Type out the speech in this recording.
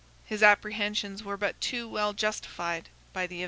39 His apprehensions were but too well justified by the event.